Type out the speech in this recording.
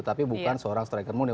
tapi bukan seorang striker murning